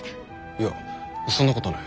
いやそんなことはない。